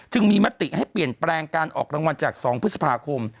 มีมติให้เปลี่ยนแปลงการออกรางวัลจาก๒พฤษภาคม